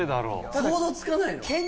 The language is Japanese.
想像つかないの？